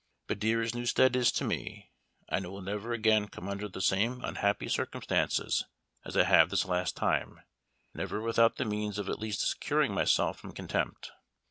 But dear as Newstead is to me, I will never again come under the same unhappy circumstances as I have this last time never without the means of at least securing myself from contempt.